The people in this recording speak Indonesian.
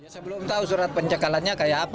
sebelum tahu surat pencekalannya kayak apa